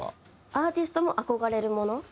アーティストも憧れるもの。